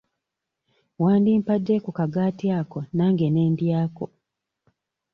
Wandimpadde ku kagaati ako nange ne ndyako.